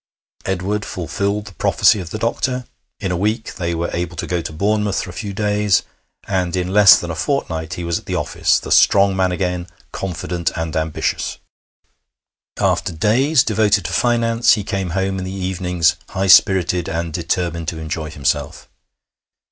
Edward fulfilled the prophecy of the doctor. In a week they were able to go to Bournemouth for a few days, and in less than a fortnight he was at the office the strong man again, confident and ambitious. After days devoted to finance, he came home in the evenings high spirited and determined to enjoy himself.